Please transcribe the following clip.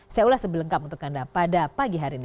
saya ulas sebelengkap untuk anda pada pagi hari ini